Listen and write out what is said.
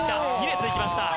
２列いきました。